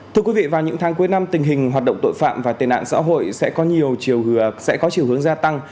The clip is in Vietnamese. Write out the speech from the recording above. thưa quý vị vào những tháng cuối năm tình hình hoạt động tội phạm và tên ạn xã hội sẽ có nhiều chiều hướng gia tăng